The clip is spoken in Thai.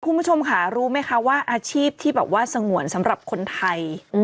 คุณผู้ชมค่ะรู้ไหมคะว่าอาชีพที่แบบว่าสงวนสำหรับคนไทย